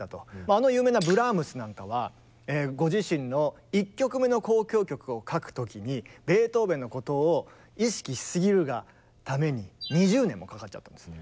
あの有名なブラームスなんかはご自身の１曲目の交響曲を書く時にベートーベンのことを意識しすぎるがために２０年もかかっちゃったんです。